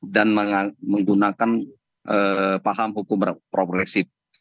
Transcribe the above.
dan menggunakan paham hukum progresif